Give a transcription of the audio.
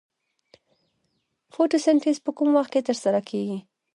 فتوسنتیز په کوم وخت کې ترسره کیږي